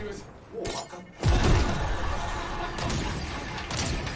もう分かった。